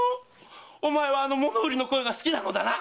おまえはあの物売りの声が好きなのだな？